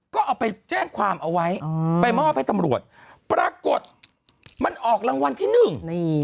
ก็เอาไปแจ้งความเอาไว้อ๋อไปมอบให้ตำรวจปรากฏมันออกรางวัลที่หนึ่ง